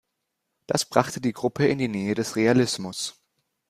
Das brachte die Gruppe in die Nähe des Realismus.